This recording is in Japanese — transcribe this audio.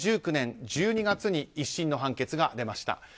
２０１９年１２月に１審の判決が出ました。